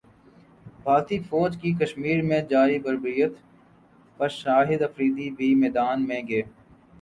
بھارتی فوج کی کشمیرمیں جاری بربریت پر شاہدافریدی بھی میدان میں گئے